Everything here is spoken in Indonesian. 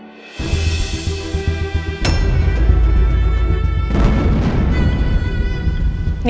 mau ketemu anak sendiri aja harus izin